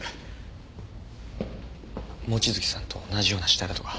望月さんと同じような死体だとか。